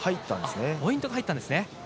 ポイントが入ったんですね。